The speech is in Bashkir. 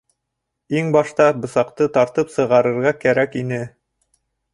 Иң башта бысаҡты тартып сығарырға кәрәк ине.